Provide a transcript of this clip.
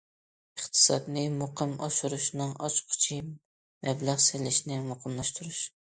ئىقتىسادنى مۇقىم ئاشۇرۇشنىڭ ئاچقۇچى مەبلەغ سېلىشنى مۇقىملاشتۇرۇش.